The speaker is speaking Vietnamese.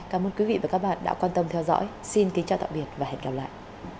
cảm ơn quý vị và các bạn đã quan tâm theo dõi xin kính chào tạm biệt và hẹn gặp lại